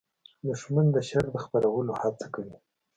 دښمن د شر د خپرولو هڅه کوي